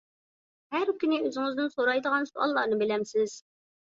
ھەر كۈنى ئۆزىڭىزدىن سورايدىغان سوئاللارنى بىلەمسىز؟